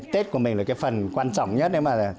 tết của mình là phần quan trọng nhất